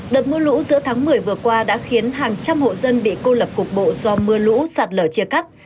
đợt mưa lũ giữa tháng một mươi vừa qua đã khiến hàng trăm hộ dân bị cô lập cục bộ do mưa lũ sạt lở chia cắt